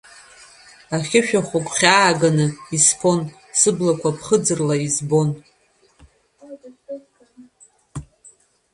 Ахьышәахәа гәхьааганы исԥон, сыблақәа ԥхыӡырла избон.